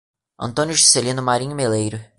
Antônio Juscelino Marinho Meleiro